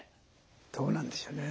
どうなんでしょうねぇ。